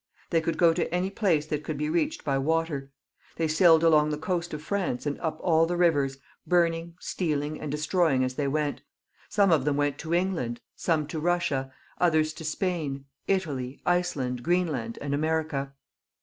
They could go to any place that could be reached by water. They sailed along the coast of France and up aU the rivers, burning, steaUng, and destroying as they went ; some of them went to England, some to Bussia, others to Spain, Italy, Ice land, Greenland, and America.